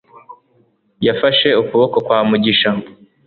Yafashe ukuboko kwa Mugisha.